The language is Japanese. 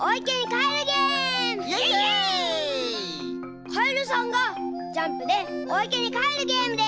かえるさんがジャンプでおいけにかえるゲームです。